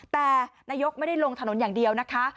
แต่นายกไม่ได้ลงถนนอย่างเดียวนะคะ